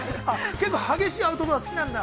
結構激しいアウトドアが好きなんだ。